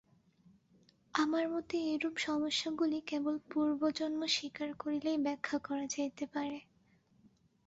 আমার মতে এইরূপ সমস্যাগুলি কেবল পূর্বজন্ম স্বীকার করিলেই ব্যাখ্যা করা যাইতে পারে।